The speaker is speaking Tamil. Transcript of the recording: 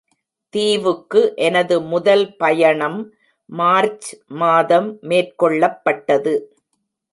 தீவுக்கு எனது முதல் பயணம் மார்ச் மாதம் மேற்கொள்ளப்பட்டது.